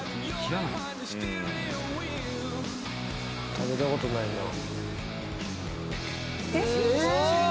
食べたことないなええ！？